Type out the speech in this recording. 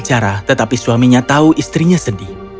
dia tidak berbicara tetapi suaminya tahu istrinya sedih